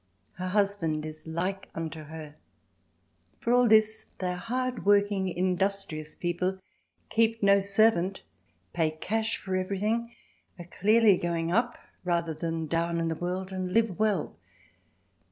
Her husband is like unto her. For all this they are hard working industrious people, keep no servant, pay cash for everything, are clearly going up rather than down in the world and live well.